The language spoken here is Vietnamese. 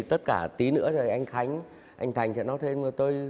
tất cả tí nữa là anh khánh anh thành sẽ nói thêm